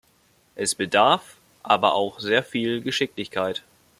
Es bedarf aber auch sehr viel Geschicklichkeit.